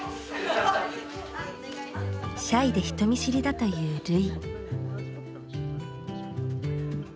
シャイで人見知りだという瑠唯。